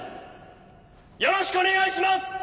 よろしくお願いします。